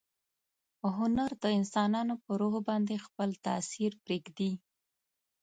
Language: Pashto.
هنر د انسانانو په روح باندې خپل تاثیر پریږدي.